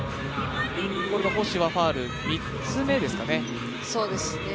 星はファウル３つ目ですかね。